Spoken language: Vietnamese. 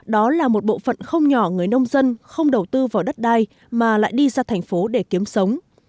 đó là một bộ phận không nhỏ người nông dân không đầu tư vào đất đai mà lại đi ra thành phố để kiếm sống